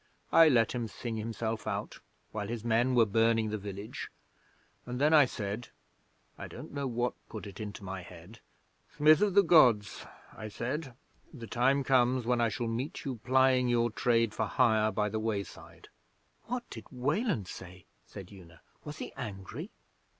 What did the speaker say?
I let him sing himself out while his men were burning the village, and then I said (I don't know what put it into my head), "Smith of the Gods," I said, "the time comes when I shall meet you plying your trade for hire by the wayside."' 'What did Weland say?' said Una. 'Was he angry?'